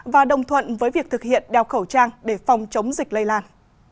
và đồng thuận với việc thực hiện đeo khẩu trang để phòng chống dịch lây lan